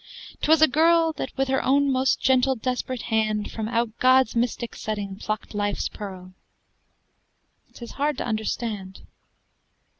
'Twas a girl That with her own most gentle desperate hand From out God's mystic setting plucked life's pearl 'Tis hard to understand.